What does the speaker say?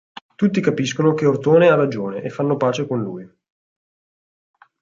Tutti capiscono che Ortone ha ragione, e fanno pace con lui.